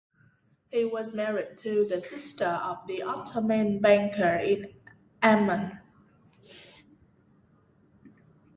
He was married to the sister of the Ottoman banker in Amman.